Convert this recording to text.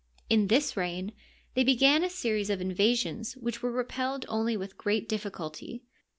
In this reign they began a series of invasions which were repelled only with great difficulty.